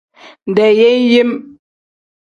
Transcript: Deyeeyem.